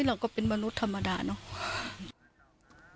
เราก็เป็นมนุษย์ธรรมดาเนอะ